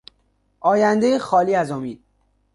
آیندهای خالی از امید